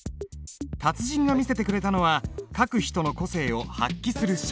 達人が見せてくれたのは書く人の個性を発揮する書。